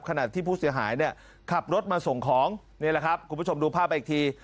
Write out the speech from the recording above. ขณะที่ผู้เสียหายเนี่ยขับรถมาส่งของนี่แหละครับคุณผู้ชมดูภาพอีกที